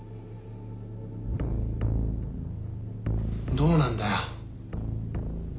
どうなんだよ？